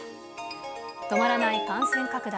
止まらない感染拡大。